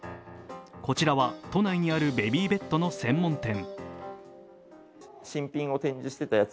こちらは都内にあるベビーベッドの専門店。